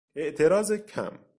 اعتراض کم